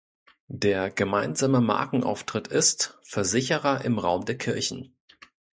Der gemeinsame Markenauftritt ist „Versicherer im Raum der Kirchen“.